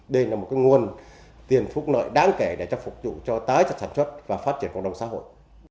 đây là một nguồn tiền phúc lợi đáng kể để cho phục vụ cho tái sản xuất và phát triển cộng đồng xã hội